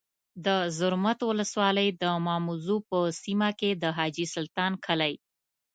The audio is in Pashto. د زرمت ولسوالۍ د ماموزو په سیمه کي د حاجي سلطان کلی